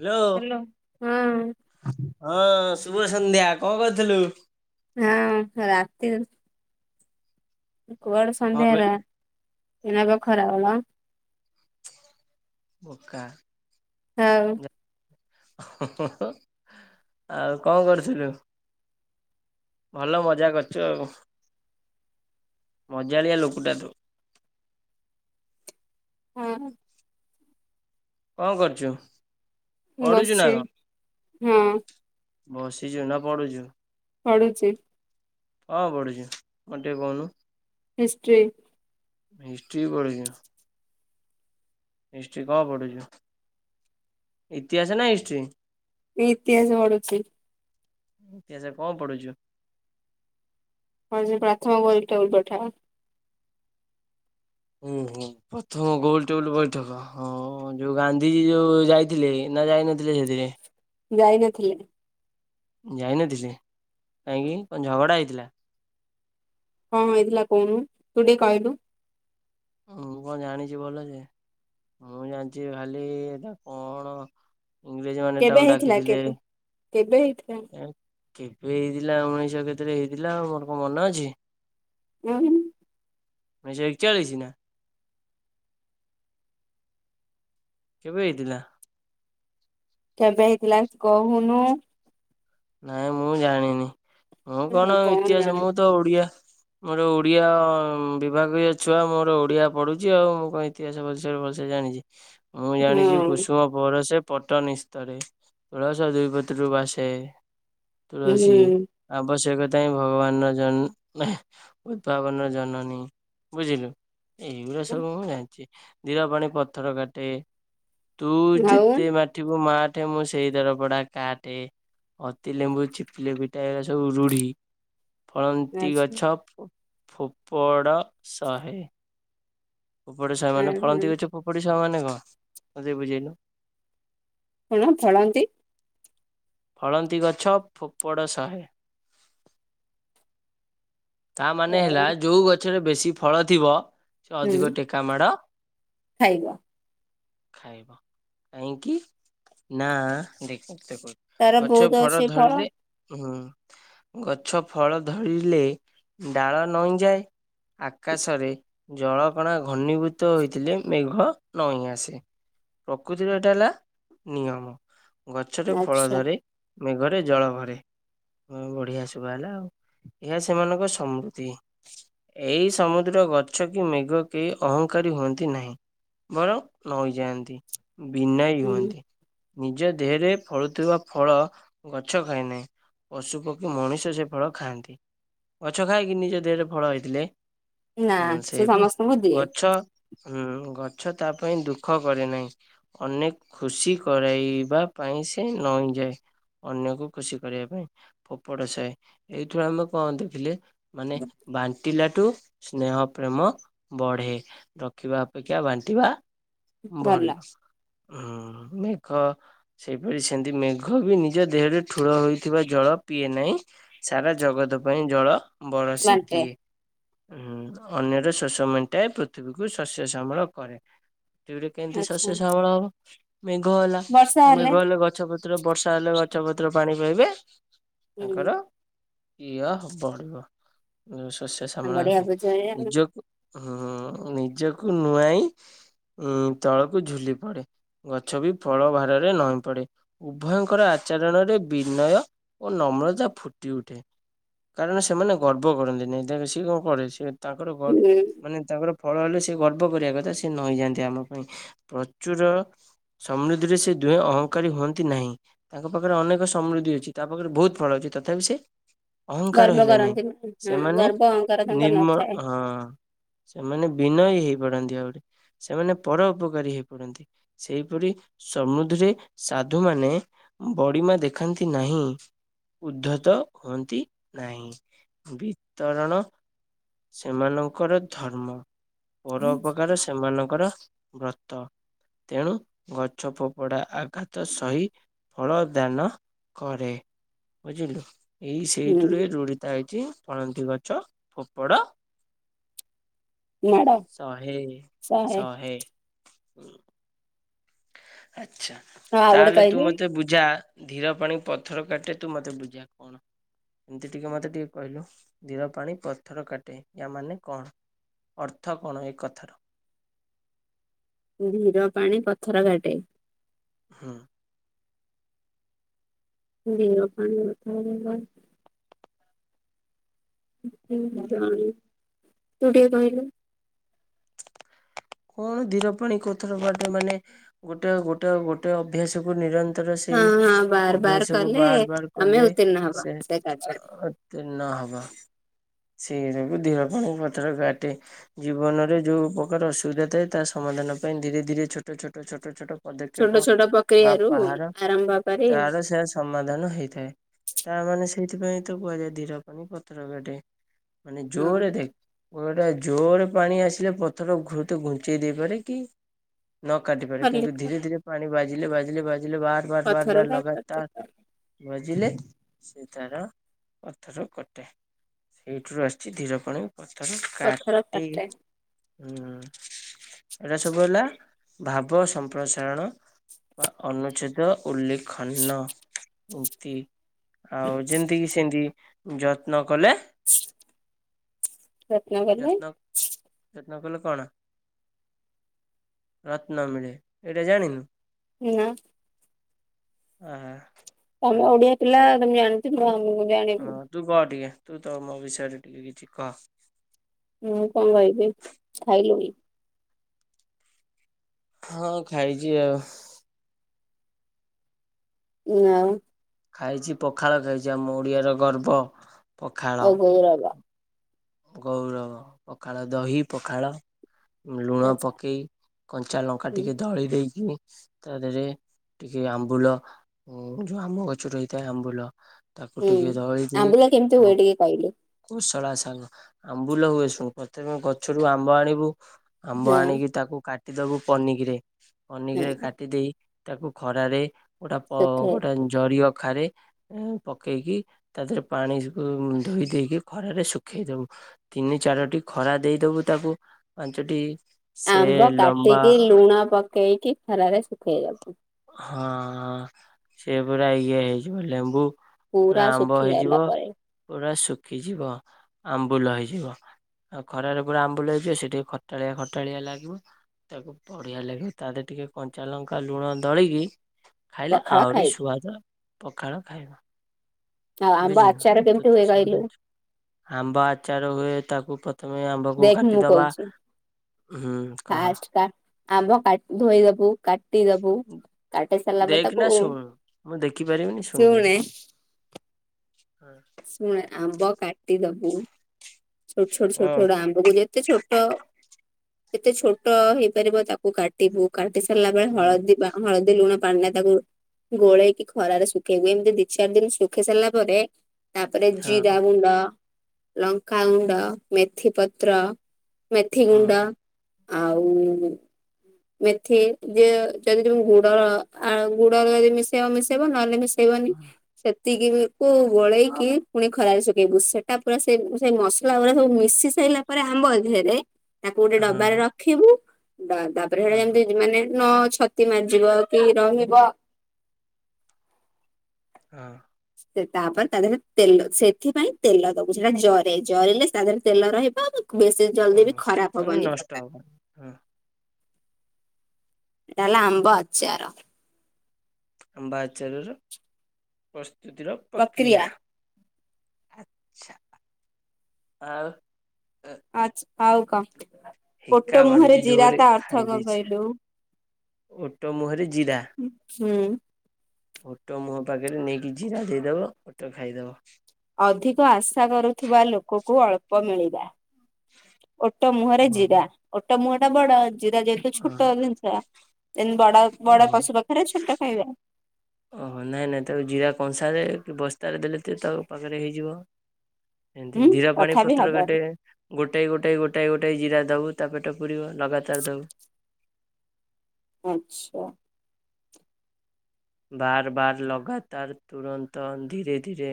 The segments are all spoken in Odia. ହ୍ୟାଲୋ ହଁ ଶୁଭସନ୍ଧ୍ୟା, କଣ କରୁଥିଲୁ? [unintelligible] ରାତି [unintelligible] କୁଆଡେ ହଁ ସନ୍ଧ୍ୟା ହେଲା, କହିଲୁ ଏଇନା ବା ଖରା ଗଲା। ଓକା। ହଉ। ଆଉ କଣ କରୁଥିଲୁ? ଭଲ ମଜା କରୁଛୁ ଆଉ, ମଜାଳିଆ ଲୋକଟା ତୁ। ହଁ। କଣ କରୁଛୁ, ଏହି ପଢୁଛୁ ନା ବସିଛି କଣ? ହଁ ବସିଛୁ ନା ପଢୁଛୁ? ପଢ଼ୁଚି। କଣ ପଢୁଛୁ, ମତେ ଟିକେ କହୁନୁ? ହିଷ୍ଟ୍ରି। ହିଷ୍ଟ୍ରି ପଢୁଛୁ। ହିଷ୍ଟ୍ରି କଣ ପଢୁଛୁ, ଇତିହାସ ନା ହିଷ୍ଟ୍ରି? ଇତିହାସ ପଢୁଛି। ଇତିହାସ କଣ ପଢ଼ୁଛୁ? ହଁ ପ୍ରଥମ ଗୋଲ୍ ଟେବୁଲ ବୈଠ ହୁଁ- ହୁଁ ପ୍ରଥମ ଗୋଲ ଟେବୁଲ ବୈଠକ। ହଁ ଯୋଉ ଗାନ୍ଧିଜୀ ଯୋଉ ଯାଇଥିଲେ ନା ଯାଇନଥିଲେ ସେଥିରେ? ଯାଇ ନଥିଲେ। ଯାଇନଥିଲେ, କାହିଁକି କଣ ଝଗଡ଼ା ହେଇଥିଲା? କଣ ହେଇଥିଲା କହୁନୁ, ତୁ ଟିକେ କହିଲୁ? ମୁଁ କଣ ଜାଣିଛି ଭଲ ସେ, ମୁଁ ଜାଣିଛି ଖାଲି କଣ ଇଂରେଜ ମାନେ କେବେ ତାଙ୍କୁ ହେଇଥିଲା ଡାକିଥିଲେ କେବେ କେବେ ହେଇଥିଲା? କେବେ ହେଇଥିଲା ଉଣେଇଶହ କେତେରେ ହେଇଥିଲା, ଆଉ ମୋର କଣ ମନେ ଅଛି? [unintelligible] ଉଣେଇଶହ ଏକଚାଳିଶ ନା? କେବେ ହେଇଥିଲା? କେବେ ହେଇଥିଲା କହୁନୁ? ନାଇଁ ମୁଁ ଜାଣିନି, ମୁଁ ଆଉ କଣ ଇତିହାସ ମୁଁ ଜାଣିଛୁ ତ ଓଡିଆ ମୋର ଓଡିଆ ବିଭାଗୀୟ ଛୁଆ ମୋର ଓଡିଆ ପଢୁଛି ଆଉ, ମୁଁ କହି ଇତିହାସ ଭଲ ସେ ଭଲ ସେ ଜାଣିଛି, ମୁଁ ଜାଣିଛି ହଁ କୁସୁମ ବରସେ ପଟନିସ୍ତରେ, ତୁଳସ ଦୁଇପତ୍ରରୁ ବାସେ। ତୁଳସୀ, ହୁଁ ଆବଶ୍ୟକତା ହିଁ ଭଗବାନ ଜ [unintelligible] ଉଦ୍ଭାବନର ଜନନୀ ବୁଝିଲୁ। ଏଇଗୁଡା ସବୁ ମୁଁ ଜାଣିଛି, ଧୀର ପାଣି ପଥର କାଟେ। ତୁ ଆଉ ଯେତେ ମାଠିବୁ ମାଠେ ମୁଁ ସେଇ ଦର ପଡା କାଠେ। ଅତି ଲେମ୍ବୁ ଚିପିଲେ ପିତା, ଏଗୁରା ସବୁ ରୁଢ଼ି। ଫଳନ୍ତି ଆଚ୍ଛା ଗଛ ଫୋପଡ଼ ଶହେ। ଫୋପଡ଼ି ସହେ ମାନେ ଫଳନ୍ତି ଗଛ ଫୋପଡ଼ି ସହେ ମାନେ କଣ ମତେ ଟିକେ ବୁଝେଇଲୁ? କଣ ଫଳନ୍ତି ଫଳନ୍ତି ଗଛ ଫୋପଡ଼ ସହେ। ତା ମାନେ ଫଳ ହେଲା ଯୋଉ ଗଛରେ ବେଶୀ ଫଳ ଥିବ ସେ ଅଧିକ ଟେକା ମାଡ଼। ଖାଇବା ଖାଇବ କାହିଁକି ନା ଦେଖ ଦେଖଉ ତାର ଗଛ ବହୁତ ଫଳ ଅଛି ଧରିଲେ ହୁଁ ଗଛ ଫଳ ଧରିଲେ ଡାଳ ନଇଁଯାଏ, ଆକାଶରେ ଜଳକଣା ଘନୀଭୂତ ହୋଇଥିଲେ ମେଘ ନଈଁ ଆସେ। ପ୍ରକୃତିର ଏଇଟା ହେଲା ନିୟମ ଗଛରେ ଫଳ ଆଚ୍ଛା ଧରେ ମେଘରେ ଜଳ ଭରେ ବଢିଆ ଶୁଭା ହେଲା ଆଉ ଏହା ସେମାନଙ୍କ ସମୃଦ୍ଧି ଏହି ସମୁଦ୍ର ଗଛ କି ମେଘ କେହି ଅହଂଙ୍କାରୀ ହୁଅନ୍ତି ନାହିଁ। ବରଂ ନଇଁ ଯାଆନ୍ତି ବିନୟ ହୁଁ ହୁଅନ୍ତି। ନିଜ ଦେହରେ ଫଳୁଥିବା ଫଳ ଗଛ ଖାଏ ନାହିଁ। ପଶୁ ପକ୍ଷୀ ମଣିଷ ସେ ଫଳ ଖାଆନ୍ତି। ଗଛ ଖାଏକି ନିଜ ଦେହରେ ଫଳ ହେଇଥିଲେ, ନା ସେ ସେଇପରି ସମସ୍ତଙ୍କୁ ଦିଏ। ଗଛ ହୁଁ ଗଛ ତା ପାଇଁ ଦୁଃଖ କରେ ନାହିଁ। ଅନେକ ଖୁସି କରାଇବା ପାଇଁ ସେ ନଇଁଯାଏ। ଅନ୍ୟକୁ ଖୁସି କରିବା ପାଇଁ ଫୋପଡ଼ ସହେ, ଏଇଥିରୁ ଆମେ କହନ୍ତି ଥିଲେ ମାନେ ବାଣ୍ଟିଲାଠୁ ସ୍ନେହ ପ୍ରେମ ବଢେ ରଖିବା ଅପେକ୍ଷା ବାଣ୍ଟିବା ଭଲ ଉଁ ମେଘ ସେହିପରି ସେମିତି ମେଘ ବି ନିଜ ଦେହରେ ଠୁଳ ହୋଇଥିବା ଜଳ ପିଏ ନାହିଁ। ସାରା ଜଗତ ପାଇଁ ଜଳ ବରସି ବାଣ୍ଟେ ଦିଏ। ଉଁ ଅନ୍ୟର ଶୋସ ମେଣ୍ଟାଏ ପୃଥିବୀକୁ ଶସ୍ୟ ଶ୍ୟାମଳ କରେ। ତୁରେ କେମିତି ଆଚ୍ଛା ଶସ୍ୟ ଶ୍ୟାମଳ ହବ ମେଘ ହେଲା ମେଘ ହେଲେ ଗଛ ପ ପତ୍ର ବର୍ଷା ହେଲେ ଗଛପତ୍ର ପାଣି ପାଇବେ ହୁଁ ତାଙ୍କର ଇଏ ହବ। ବଢିବ ଶସ୍ୟ ଶ୍ୟାମଳ ବଢିଆ ହେବେ ବୁଝେ ନିଜକୁ ହୁଁ ନିଜକୁ ନୁଆଁଇ ଉ ତଳକୁ ଝୁଲି ପଡେ। ଗଛ ବି ଫଳ ଭାରରେ ନଈଁ ପଡେ। ଉଭୟଙ୍କର ଆଚରଣରେ ବିନୟ ଓ ନମ୍ରତା ଫୁଟି ଉଠେ। କାରଣ ସେମାନେ ଗର୍ବ କରନ୍ତି ନିଇଁ, ଦେଖ ସିଏ କଣ କରେ ସେ ତାଙ୍କର ହୁଁ ମାନେ ତାଙ୍କର ଫଳ ହେଲେ ସେ ଗର୍ବ କରିବା କଥା ସେ ନଇଁ ଯାଆନ୍ତି ଆମ ପାଇଁ, ପ୍ରଚୁର ସମୃଦ୍ଧିରେ ସେ ଦୁହେଁ ଅହଂକାରୀ ହୁଅନ୍ତି ନାହିଁ। ତାଙ୍କ ପାଖରେ ଅନେକ ସମୃଦ୍ଧି ଅଛି ତା ପାଖରେ ବହୁତ ଫଳ ଅଛି ତଥାପି ସେ ଅହଂକାର ଗର୍ବ ହେଲେ ନାଇଁ କରନ୍ତି ହଁ ସେମାନେ ଗର୍ବ ଅହଙ୍କାର ତାଙ୍କର ନିର୍ମ ନଥାଏ। ହଁ ସେମାନେ ବିନୟ ହେଇ ପାରନ୍ତି ଆଗରେ ସେମାନେ ପର ଉପକାରୀ ହେଇ ପଡନ୍ତି ସେଇପରି ସମୁଧରେ ସାଧୁ ମାନେ ବଡିମା ଦେଖାନ୍ତି ନାହିଁ, ଉଦ୍ଧତ ହୁଅନ୍ତି। ନାହିଁ, ବିତରଣ ସେମାନଙ୍କର ଧର୍ମ। ପର ଉପକାର ସେମାନଙ୍କର ବ୍ରତ। ତେଣୁ ଗଛ ଫୋପଡା ଆଘାତ ସହି ଫଳ ଦାନ କରେ ବୁଝିଲୁ, ଏଇ ଋତୁରେ ହୁଁ ରୋଡ଼ିିତ ଆଇଛି ଫଳନ୍ଦୀ ଗଛ ଫୋପଡ଼ ମାଡ ଶହେ ଶହେ ଉଁ ଆଚ୍ଛା ହଁ ଆଉ ଗୋଟେ ତାହେଲେ ତୁ କହିଲୁ ମତେ ବୁଝ ଯା ଧୀର ପାଣି ପଥର କାଟେ ତୁ ମତେ ବୁଝା କଣ? ଏମିତି ଟିକେ ମତେ ଟିକେ କହିଲୁ ଧିର ପାଣି ପଥର କାଟେ ୟା ମାନେ କଣ? ଅର୍ଥ କଣ ଏ କଥାର? ଧୀର ପାଣି ପଥର କାଟେ? ହୁଁ। ଧୀର ପାଣି ପଥର [unintelligible] କିମିତି ଜାଣିନି ତୁ ଟିକେ କହିଲୁ? କଣ ଧିର ପାଣି ପଥର କାଟେ ମାନେ ଗୋଟେ ଗୋଟେ ଗୋଟେ ଅଭ୍ୟାସକୁ ନିର ଧର ହଁ ସେଇ ହଁ ବାର ବାର ଅଭ୍ୟାସ କୁ କଲେ ବାର ବାର ତମେ କଲେ ଉତ୍ତୀର୍ଣ୍ଣ ହବ ସେ କାର୍ଯ୍ୟରେ ତିନ ହବା। ସେଇ ଯୋଗୁ ଧିର ପାଣି ପଥର କାଟେ ଜୀବନରେ ଯୋଉ ପ୍ରକାର ଅଶୁ ସୁବିଧା ଥାଏ ତା ସମାଧାନ ପାଇଁ ଧୀରେ ଧୀରେ ଛୋଟ ଛୋଟ ଛୋଟ ଛୋଟ ଛୋଟ ପଦକ୍ଷେପ ଛୋଟ ବା ପ୍ରକ୍ରିୟାରୁ ପାହାର ଆରମ୍ଭ କରି ତାର ସେ ସମାଧାନ ହେଇଥାଏ ତା ମାନେ ସେଇଥିପାଇଁ ତ କୁହାଯାଏ ଧୀର ପାଣି ପଥର କାଟେ। ମାନେ ହଁ ଜୋରେ ଦେଖ କୂଳରେ ଜୋରେ ପାଣି ଆସିଲେ ପଥର ଘୁ ଘୁଞ୍ଚେଇ ଦେଇ ପାରେ କି ନ କାଟି ପାରେ କିନ୍ତୁ ହରଲିକ୍ସ ଧୀରେ ଧୀରେ ପାଣି ବାଜିଲେ ବାଜିଲେ ବାଜିଲେ ବାହା ବାର ବାର ବାର ପଥରଟା କାଟେ ଲଗାତାର ବାଜିଲେ ସେ ତାର ପଥର କଟେ। ସେଇଥିରୁ ଆସିଛି ଧୀର ପାଣି ପଥର ପଥର କାଟି କାଟେ ଉଁ। ଏରାଆ ସବୁ ହେଲା ଭାବ ସମ୍ପ୍ରସାରଣ ବା ଅନୁଚ୍ଛେଦ ଉଲ୍ଲେଖନ ଉକ୍ତି। ଆଉ ଯେମିତିକିସେମିତି ଯତ୍ନ କଲେ ଯତ୍ନ କଲେ ଯତ୍ନ ଯତ୍ନ କଲେ କଣ? ରତ୍ନ ମିଳେ ଏଇଟା ଜାଣିନୁ। ନାଆଁ। ଆହା। ତମେ ଓଡିଆ ପିଲା ତମେ ଜାଣିଥିବ ମୁଁ ଜାଣିନୁ। ହଁ ତୁ କଅ ଟିକେ ତୁ ତ ମୋ ବିଷୟରେ ଟିକେ କିଛି କଅ? ହୁଁ କଣ କହିବି ଖାଇଲୁଣି? ହଁ ଖାଇଚି ଆଉ। ଆଉ। ଖାଇଛି ପଖାଳ ଖାଇଛି ଆମ ଓଡିଆର ଗର୍ବ। ଏ ହଉ ରଖ। ଗଉରବ ପଖାଳ ଦହି ପଖାଳ। ଉମ୍ ଲୁଣ ଆଚ୍ଛା ପକେଇ କଞ୍ଚା ଲଙ୍କା ହୁଁ ଟିକେ ଦଳି ଦେଇକି ତା ଦେହରେ ଟିକେ ଆମ୍ବୁଲ ଯୋଉ ଆମ ଗଛ ରହିଥାଏ ଆମ୍ବୁଲ। ତାକୁ ହୁଁ ଟିକେ ଦଳି ଦେଇ ଆମ୍ବୁଲ କେମିତି ଆଉ ହୁଏ ଟିକିଏ କହିଲୁ? କୁଶଳା ଶାଗ ଆମ୍ବୁଲ ହୁଏ ଶୁଣୁ ପ୍ରଥମେ ଗଛରୁ ଆମ୍ବ ଆଣିବୁ। ଆମ୍ବ ହଁ ଆଣିକି ତାକୁ କାଟିଦବୁ ପନିକିରେ ପନିକିରେ ହଁ କାଟି ଦେଇେ ତାକୁ ଖରାରେ ଗୋଟେ ପ ଶୁଖେଇ ଗୋଟେ ଜରି ଅଖାରେ ଏ ଓ ପକେଇକି ତା ଦେହରେ ପାଣି ଉ ଧୋଇ ଦେଇକି ଖରାରେ ଶୁଖେଇ ଦେବୁ। ତିନି ଚାରୋଟି ଖରା ଦେଇଦବୁ ତାକୁ ପାଞ୍ଚଟି ଇ ଆମ୍ବ କାଟିକି ଲୁଣ ପକେଇକି ଖରାରେ ଶୁଖେଇବାକୁ। ହଁ ଅ ସେ ପୁରା ଇଏ ହେଇଯିବ ଲେମ୍ବୁ ପୁରା ଆମ୍ବ ଶୁଖି ଯାଇଲା ହେଇଯିବ ପରେ ପୁରା ଶୁଖିଯିବ ଆମ୍ବୁଲ ହେଇଯିବ। ଆଉ ଖରାରେ ପୁରା ଆମ୍ବୁଲା ହେଇଯିବ ସେଟିକେ ଖଟାଳିଆ ଖଟାଳିଆ ଲାଗିବ। ତାକୁ ବଢିଆ ଲାଗେ ତା ଦେହରେ ଟିକେ କଞ୍ଚା ଲଙ୍କା ଲୁଣ ଦଳିକି ଖାଇଲେ ପଖାଳ ଆହୁରି ଖାଇବୁ ସୁଆଦ ପଖାଳ ଖାଇବ। ଆଉ ଆମ୍ବ ଆଚାର କେମିତି ତ ହୁଏ ସବୁ କହିଲୁ? ଜାଣିଛୁ। ଆମ୍ବ ଆଚାର ହୁଏ ତାକୁ ପ୍ର ଥମେ ଆମ୍ବକୁ ଦେଖ ମୁଁ କାଟିଦବା କହୁଛି ହୁଁ କହ। ଫାଷ୍ଟ କା ଆମ୍ବ କାଟ୍ ଧୋଇଦେବୁ। କାଟିଦବୁ କାଟି ସାରିଲା ପରେ ଦେଖ ତାକୁ ନା ଶୁଣୁ ଶୁଣେ ହାଂ। ଶୁଣେ ଆମ୍ବ କାଟିଦବୁ। ଛୋଟ୍ ଛୋଟ୍ ଛୋଟ୍ ଛୋଟ୍ ଆମ୍ବକୁ ଯେତେ ଛୋଟ ଯେତେ ଛୋଟ ହେଇପାରିବ ତାକୁ କା ଟିବୁ କାଟି ସାରିଲା ବେଳେ ହଁ ହଁ ହଳଦୀ ବା ହଲଦି, ଲୁଣ ପାନିରେ ତାକୁ ଗୋଳେଇକି ଖରାରେ ଶୁଖେଇବୁ ଏମିତି ଦି ଚାର୍ ଦିନ୍ ଶୁଖେଇ ସାରିଲା ପରେ ତାପରେ ଜିରା ହଁ। ଗୁଣ୍ଡ, ଲଙ୍କାଗୁଣ୍ଡ, ମେଥି ପତ୍ର ମେଥି ହଁ ଗୁଣ୍ଡ ଆଉ-ଉ-ଉ-ଉ ମେଥି ଯିଏ ଯଦି ଯୋଉ ଗୁଡ ଆଉ ଗୁଡ଼ ଯଦି ମିଶେଇବ ମିଶେଇବ ନହେଲେ ମିସ୍ ହେବନି ସେ ତିକି ଉ କୁ ଗୋଳେଇକି ପୁଣି ଖରାରେ ଶୁଖେଇବୁ ସେଟା ପୁରା ସେ ସେ ମସଲା ଉରା ସବୁ ମିଶି ସାଇଲା ପରେ ଆମ୍ବ [unintelligible] ହେଲେ ତାକୁ ଗୋଟେ ହଁ ଡବାରେ ରଖିବୁ ବା ତାପରେ ହଁ ଯାଇ ଏମିତି ମାନେ ନ ଛ ତି ମାଜିବ କି ରହିବ ହଁ। ତେ ତାପରେ ତା ଦେହରେ ତେଲ ସେଥିପାଇଁ ତେଲ ଦବୁ ସେଟା ଜରେ ଜରିଲେ ତା ଦେହରେ ତେଲ ରହେ [unintelligible] ବେଶୀ ଜଲଦି ବି ଖରାପ୍ ହବନି ଖଟା। ଉ। ଏଟା ହେଲା ଆମ୍ୱ ଆଚାର। ଆମ୍ବା ଆଚାରର ପ୍ରସ୍ତୁତିର ପ୍ରକ୍ରିୟା। ଆଛା ଆଉ ଆଛ ଆଉ କଣ ହିକା ଓଟ ମାଡୁଛି ମୁହଁରେ ଜିରା ଜୋରେ ତା ଅର୍ଥ କଣ କହିଲୁ? ଓଟୋ ମୁହଁରେ ଜିରା? ଉଁ ହୁଁ। ଓଟୋ ମୁହଁ ପାଖରେ ନେଇକି ଜିରା ଦେଇଦବ ଓଟୋ ଖାଇଦବ। ଅଧିକ ଆଶା କରୁଥିବା ଲୋକକୁ ଅଳ୍ପ ମିଳିବା। ଓଟ ମୁହଁରେ ଜିରା ଓ ଓଟ ମୁହଁ ଟା ବଡ ଜିରା ଯ ଦି ଛୋଟ ଜିନିଷ ଏମତି ବଡ ବଡ ଓହୋ ପଶୁ ପାଖରେ ଛୋଟ ଖାଇବା। ଓହୋ ନାଇଁ ନାଇଁ ତାକୁ ଜିରା କଂସାରେ କି ବସ୍ତାରେ ଦେଲେ ତେ ତା ପାଖରେ ହେଇଯିବ। ଏମତି ହୁଁ ଧୀର ପାଣି ତଥାପି ପତ୍ର କାଟେ। ହବନି। ଗୋଟାଏ ଗୋଟାଏ ଗୋଟାଏ ଗୋଟାଏ ଜିରା ଦବୁ ତାପେଟ ପୁରିବ ଲଗାତାର ଦବୁ। ଆଚ୍ଛା। ବାର ବାର ଲଗାତାର ତୁରନ୍ତ ଧୀରେ ଧୀରେ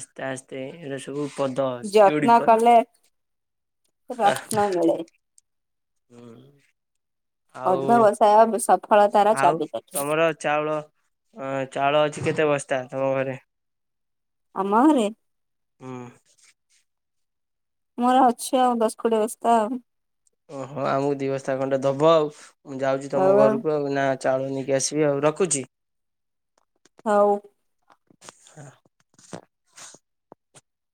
ଆସ୍ତେ ଆସ୍ ତେ ଏଇଟା ସବୁ ପଦ ଯତ୍ନ ଯୋଡି ପଦ। କଲେ ରତ୍ନ ମିଳେ। ହୁଁ। ଅର୍ଧ ବସାୟା ସଫଳତାର ଆଉ ଚାବିକାଠି। ତମର ଚାଉଳ ଅ ଚାଉଳ ଅଛି କେତେ ବସ୍ତା ତମ ଘରେ? ଆମ ଘରେ? ହୁଁ। ମୋର ଅଛି ଆଉ ଦସ୍ କୋଡିଏ ବସ୍ତା ଆଉ। ଓହଁ ଆମକୁ ଦି ବସ୍ତା ଖଣ୍ଣ୍ଡେ ଦବ ଆଉ ମୁଁ ଯାଉଛି ତମ ଘରକୁ ଆଉ ନା? ଚାଉଳ ନେଇକି ଆସିବି ଆଉ ରଖୁଚି। ହଉ।